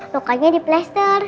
lokanya di plaster